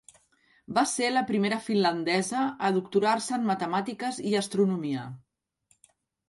Va ser la primera finlandesa a doctorar-se en matemàtiques i astronomia.